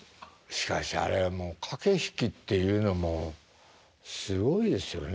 しかしあれはもう駆け引きっていうのもすごいですよね